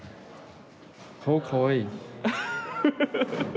顔かわいい。